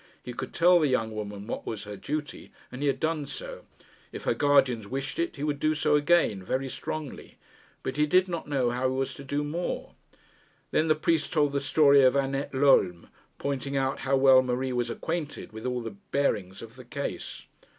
He could tell the young woman what was her duty, and he had done so. If her guardians wished it, he would do so again, very strongly. But he did not know how he was to do more. Then the priest told the story of Annette Lolme, pointing out how well Marie was acquainted with all the bearings of the case.